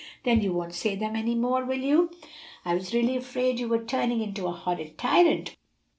"Then you won't say them any more, will you? I was really afraid you were turning into a horrid tyrant.